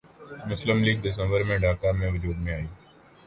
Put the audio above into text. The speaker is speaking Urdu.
مسلم لیگ دسمبر میں ڈھاکہ میں وجود میں آئی